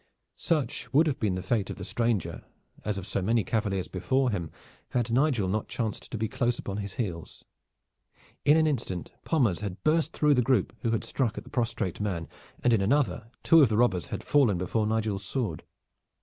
Such would have been the fate of the stranger, as of so many cavaliers before him, had Nigel not chanced to be close upon his heels. In an instant Pommers had burst through the group who struck at the prostrate man, and in another two of the robbers had fallen before Nigel's sword.